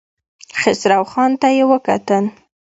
خسرو خان ته يې وکتل.